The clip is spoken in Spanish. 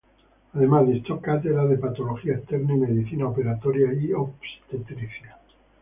Además, dictó cátedras de Patología Externa y Medicina Operatoria y Obstetricia.